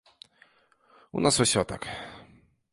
У нас усё так.